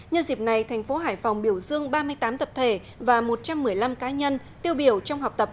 nhân dịp này thành phố hải phòng biểu dương ba mươi tám tập thể và một trăm một mươi năm cá nhân tiêu biểu trong học tập